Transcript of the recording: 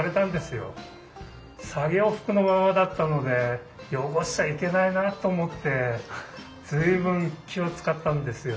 作業服のままだったので汚しちゃいけないなあと思って随分気を遣ったんですよ。